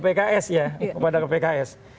pks ya kepada pks